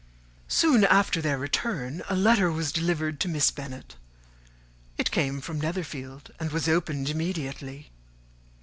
_]] Soon after their return, a letter was delivered to Miss Bennet; it came from Netherfield, and was opened immediately.